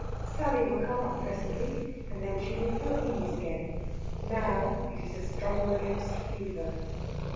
Sally will come up presently, and then she will feel ease again. Now, it is a struggle against fever.